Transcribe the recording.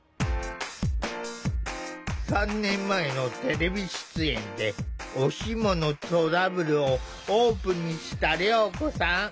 ３年前のテレビ出演でおシモのトラブルをオープンにしたりょうこさん。